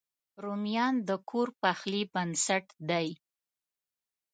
رومیان د کور پخلي بنسټ دی